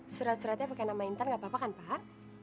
surat suratnya pakai nama inter nggak apa apa kan pak